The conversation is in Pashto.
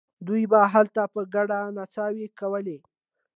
دوی به هلته په ګډه نڅاوې کولې.